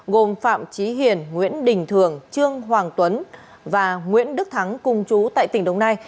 gồm phạm trí hiền nguyễn đình thường trương hoàng tuấn và nguyễn đức thắng cùng chú tại tỉnh đồng nai